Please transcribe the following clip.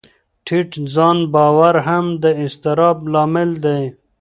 ټیټ ځان باور هم د اضطراب لامل دی.